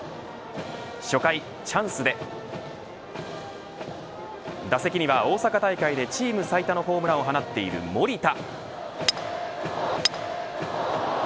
初回、チャンスで打席には大阪大会でチーム最多のホームランを放っている森田。